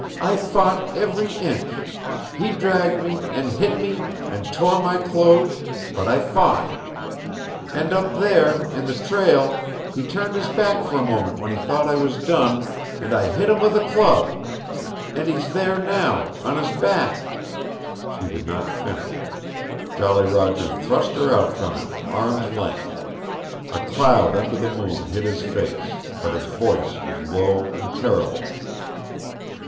"I fought every inch. He dragged me, and hit me, and tore my clothes but I fought. And up there in the trail he turned his back for a moment, when he thought I was done, and I hit him with a club. And he's there, now, on his back " She did not finish. Jolly Roger thrust her out from him, arm's length. A cloud under the moon hid his face. But his voice was low, and terrible.